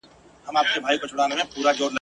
دا واعظ مي آزمېیلی په پیمان اعتبار نسته !.